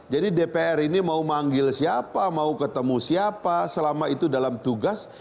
jadi dpr ini mau memanggil siapa mau ketemu siapa selama itu dalam tugas